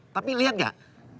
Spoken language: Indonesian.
tapi liat gak